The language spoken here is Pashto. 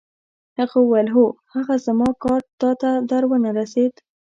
هغه وویل: هو، هغه زما کارډ تا ته در ونه رسید؟